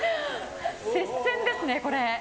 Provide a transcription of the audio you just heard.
接戦ですね、これ。